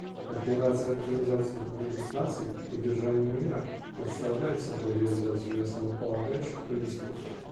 Операции Организации Объединенных Наций по поддержанию мира представляют собой реализацию ее основополагающих принципов.